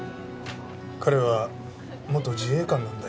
彼は元自衛官なんだよ。